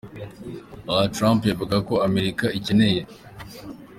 Aha Trump yavugaga ko Amerika ikeneye.